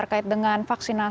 terkait dengan vaksinasi lansia